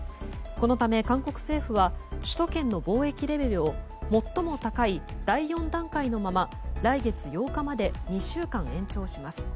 このため韓国政府は首都圏の防疫レベルを最も高い第４段階のまま来月８日まで２週間延長します。